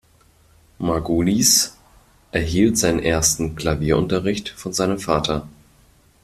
Margulis erhielt seinen ersten Klavierunterricht von seinem Vater.